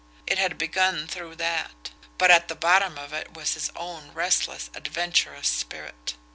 It had begun through that but at the bottom of it was his own restless, adventurous spirit.